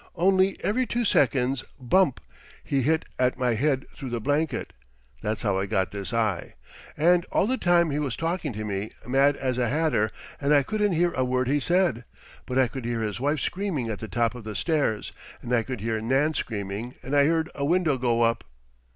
Only, every two seconds, bump! he hit at my head through the blanket. That's how I got this eye. And, all the time, he was talking to me, mad as a hatter, and I couldn't hear a word he said. But I could hear his wife screaming at the top of the stairs, and I could hear Nan screaming, and I heard a window go up.